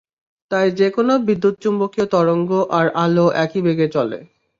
তাই যেকোনো বিদ্যুৎ–চুম্বকীয় তরঙ্গ আর আলো একই বেগে চলে।